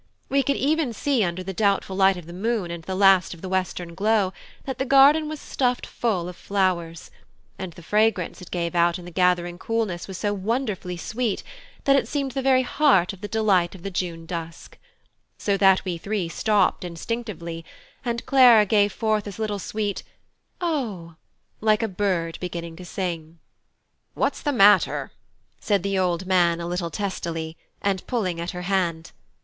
We could see even under the doubtful light of the moon and the last of the western glow that the garden was stuffed full of flowers; and the fragrance it gave out in the gathering coolness was so wonderfully sweet, that it seemed the very heart of the delight of the June dusk; so that we three stopped instinctively, and Clara gave forth a little sweet "O," like a bird beginning to sing. "What's the matter?" said the old man, a little testily, and pulling at her hand.